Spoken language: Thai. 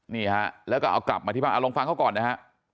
นี่ฮะแล้วก็เอากลับมาที่บ้านเอาลองฟังเขาก่อนนะฮะ